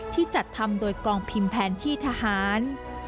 จัดทำโดยกองพิมพ์แผนที่ทหาร